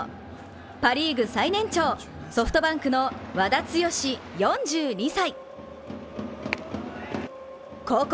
パ・リーグ最年長、ソフトバンクの和田毅、４２歳。